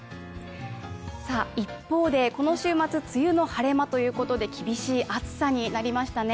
一方で、この週末、梅雨の晴れ間ということで厳しい暑さになりましたね。